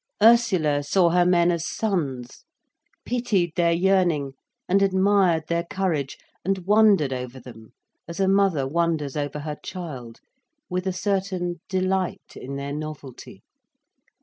Ursula saw her men as sons, pitied their yearning and admired their courage, and wondered over them as a mother wonders over her child, with a certain delight in their novelty.